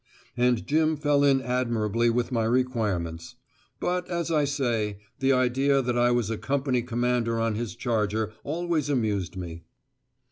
And Jim fell in admirably with my requirements. But, as I say, the idea that I was a company commander on his charger always amused me.